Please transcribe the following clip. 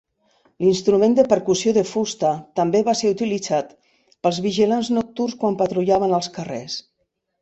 L'instrument de percussió de fusta també va ser utilitzat pels vigilants nocturns quan patrullaven els carrers.